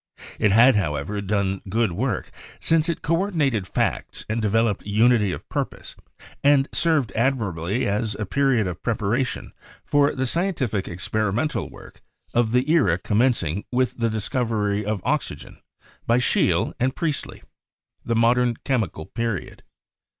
It had, however, done good work, since it coordinated facts and developed unity of purpose, and served admirably as a period of preparation for the scien tific experimental work of the era commencing with the discovery of oxygen by Scheele and Priestley — the Mod ern Chemical Period.